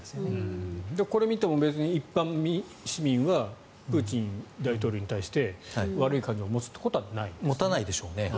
これを見ても別に一般市民はプーチン大統領に対して悪い感情を持つということはない？